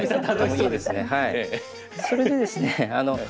それでですね